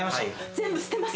全部捨てます。